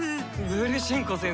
ブルシェンコ先生